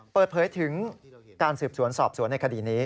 เปิดเผยถึงการสืบสวนสอบสวนในคดีนี้